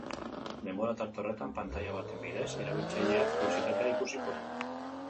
Denbora tarte horretan, pantaila baten bidez, erabiltzaileak publizitatea ikusiko du.